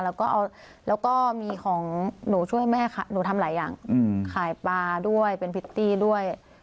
แล้วก็มีของหนูช่วยแม่หนูทำหลายอย่างขายปลาด้วยเป็นพริตตี้ด้วย